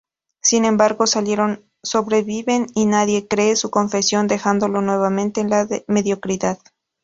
Sin embargo, Salieri sobrevive y nadie cree su confesión, dejándolo nuevamente en la mediocridad.